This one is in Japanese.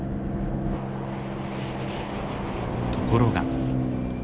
ところが。